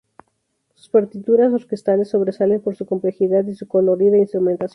Sus partituras orquestales sobresalen por su complejidad y su colorida instrumentación.